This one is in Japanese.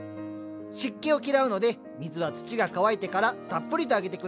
湿気を嫌うので水は土が乾いてからたっぷりとあげて下さい。